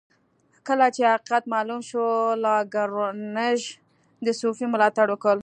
کله چې حقیقت معلوم شو لاګرانژ د صوفي ملاتړ وکړ.